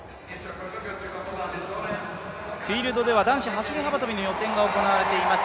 フィールドでは男子走幅跳予選が行われています。